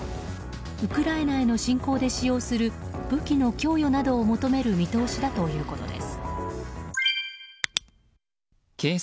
ウクライナへの侵攻で使用する武器の供与などを求める見通しだということです。